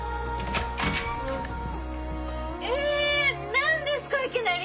何ですかいきなり。